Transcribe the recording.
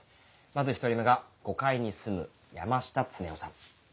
まず１人目が５階に住む山下恒夫さん。